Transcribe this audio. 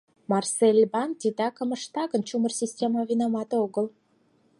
Марсельбанк титакым ышта гын, чумыр система винамат огыл...